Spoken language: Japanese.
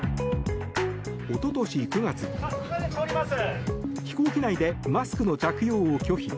一昨年９月飛行機内でマスクの着用を拒否。